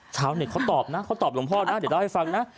เช้าเน็ตเขาตอบนะเดี๋ยวเราให้สั่งนะ